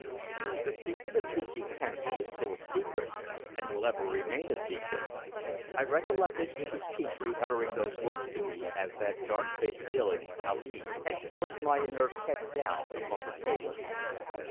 "The secret of Digby Kemsley is still a secret, and will ever remain a secret." I recollected Mrs. Petre uttering those words to me as that dark faced villain Ali had forced my inert head down upon the table.